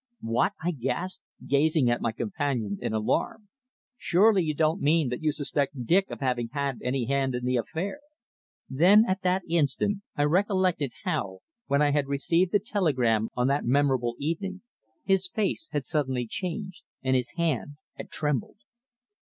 "What!" I gasped, gazing at my companion in alarm. "Surely you don't mean that you suspect Dick of having had any hand in the affair?" Then, at that instant, I recollected how, when I had received the telegram on that memorable evening, his face had suddenly changed, and his hand had trembled.